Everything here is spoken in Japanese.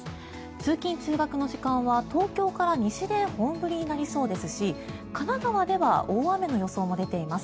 通勤・通学の時間は東京から西で本降りになりそうですし神奈川では大雨の予想も出ています。